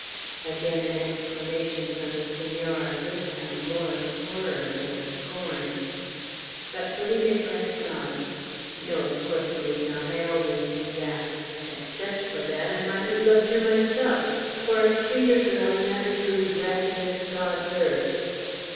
Again an exclamation from the Senora, this time more of horror than of scorn. But Felipe pressed on. "No, of course you would not, I always knew that; except for that, I might have loved her myself, for a sweeter girl never drew breath in this God's earth."